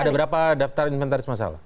ada berapa daftar inventaris masalah